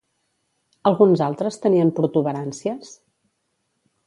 Alguns altres tenien protuberàncies?